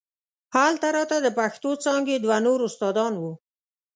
هلته راته د پښتو څانګې دوه نور استادان وو.